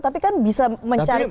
tapi kan bisa mencari